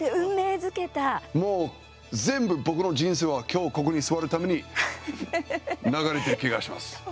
もう全部、僕の人生は今日ここに座るために流れてる気がします。